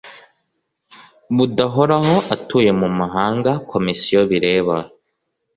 budahoraho atuye mu mahanga Komisiyo bireba